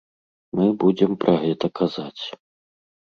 Мы будзем пра гэта казаць.